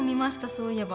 そういえば。